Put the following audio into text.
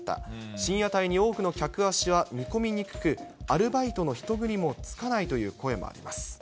深夜帯に多くの客足は見込みにくく、アルバイトの人繰りもつかないという声もあります。